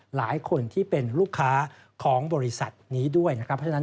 หลายคนที่เป็นลูกค้าของบริษัทนี้ด้วย